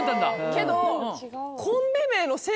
けど。